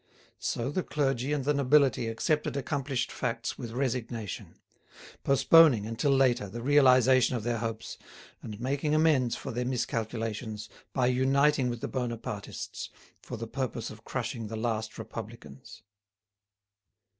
So the clergy and the nobility accepted accomplished facts with resignation; postponing, until later, the realisation of their hopes, and making amends for their miscalculations by uniting with the Bonapartists for the purpose of crushing the last Republicans.